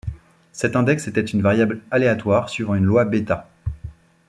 Cet index étant une variable aléatoire suivant une loi bêta.